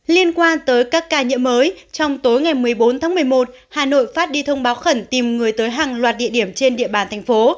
liên quan tới các ca nhiễm mới trong tối ngày một mươi bốn tháng một mươi một hà nội phát đi thông báo khẩn tìm người tới hàng loạt địa điểm trên địa bàn thành phố